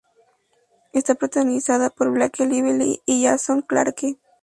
Está protagonizada por Blake Lively y Jason Clarke.